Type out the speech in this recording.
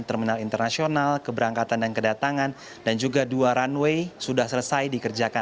terminal internasional keberangkatan dan kedatangan dan juga dua runway sudah selesai dikerjakan